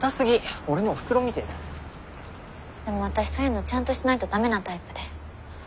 でも私そういうのちゃんとしないとダメなタイプで。